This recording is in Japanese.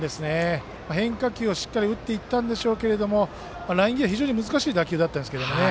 変化球をしっかり打っていったんでしょうけどライン際、非常に難しい打球だったんですけどね